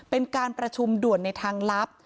เป็นการประชุมด่วนในทางลับ